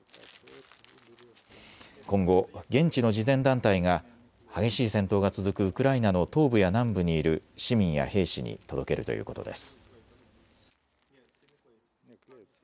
今後、現地の慈善団体が激しい戦闘が続くウクライナの東部や南部にいる市民や兵士に届けるということです。